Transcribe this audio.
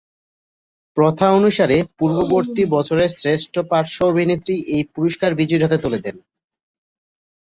প্রথা অনুসারে পূর্ববর্তী বছরের শ্রেষ্ঠ পার্শ্ব অভিনেত্রী এই পুরস্কার বিজয়ীর হাতে তুলে দেন।